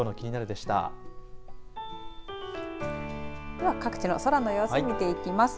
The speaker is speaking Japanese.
では各地の空の様子見ていきます。